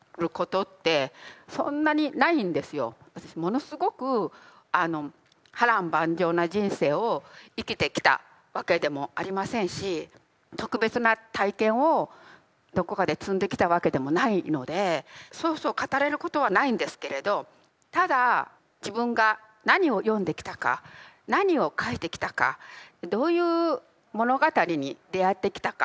私ものすごく波乱万丈な人生を生きてきたわけでもありませんし特別な体験をどこかで積んできたわけでもないのでそうそう語れることはないんですけれどただ自分が何を読んできたか何を書いてきたかどういう物語に出会ってきたか